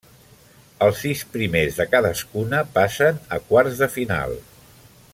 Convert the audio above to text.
Els sis primers de cadascuna passen a quarts de final.